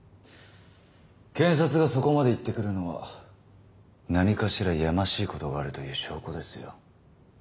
検察がそこまで言ってくるのは何かしらやましいことがあるという証拠ですよ。